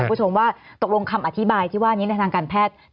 คุณผู้ชมว่าตกลงคำอธิบายที่ว่านี้ในทางการแพทย์